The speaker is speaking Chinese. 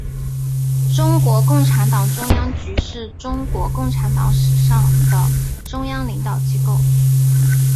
中国共产党中央局是中国共产党历史上的中央领导机构。